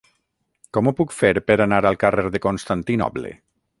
Com ho puc fer per anar al carrer de Constantinoble?